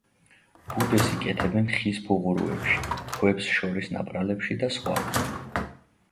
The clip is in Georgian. ბუდეს იკეთებენ ხის ფუღუროებში, ქვებს შორის ნაპრალებში და სხვა.